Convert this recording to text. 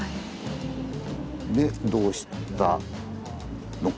でどうしたのか。